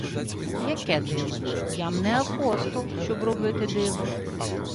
— Яке диво? Я-м не апостол, щоб робити диво.